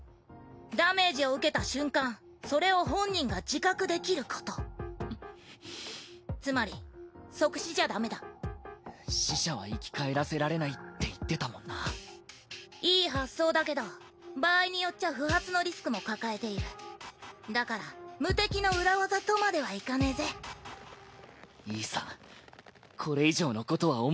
ダメージを受けた瞬間それを本人が自覚できることんっつまり即死じゃダメだ死者は生き返らせられないって言ってたもいい発想だけど場合によっちゃ不発のだから無敵の裏技とまではいかねぇぜいいさこれ以上のことは思